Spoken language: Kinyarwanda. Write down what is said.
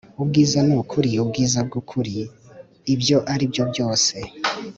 “ubwiza ni ukuri, ubwiza bw'ukuri, - ibyo aribyo byose